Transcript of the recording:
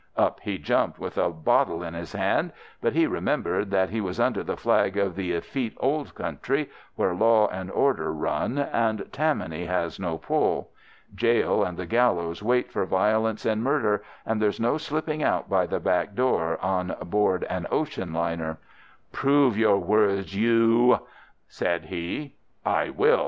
"Up he jumped with a bottle in his hand, but he remembered that he was under the flag of the effete Old Country, where law and order run, and Tammany has no pull. Gaol and the gallows wait for violence and murder, and there's no slipping out by the back door on board an ocean liner. "'Prove your words, you——!' said he. "'I will!